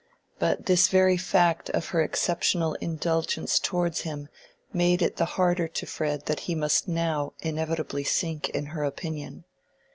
But this very fact of her exceptional indulgence towards him made it the harder to Fred that he must now inevitably sink in her opinion.